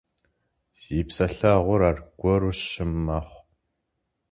Си псэлъэгъур аргуэру щым мэхъу.